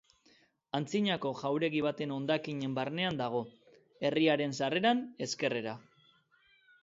Antzinako jauregi baten hondakinen barnean dago, herriaren sarreran ezkerrera.